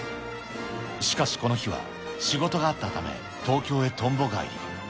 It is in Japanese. しかし、この日は仕事があったため、東京へとんぼ返り。